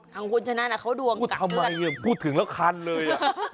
ของคุณฉะนั้นเขาดวงกับเพื่อนพูดทำไมพูดถึงแล้วคันเลย